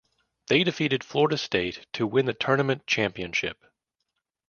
They defeated Florida State to win the tournament championship.